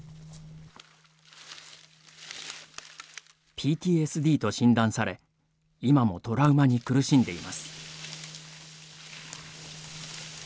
ＰＴＳＤと診断され今もトラウマに苦しんでいます。